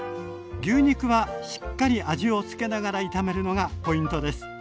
牛肉はしっかり味をつけながら炒めるのがポイントです。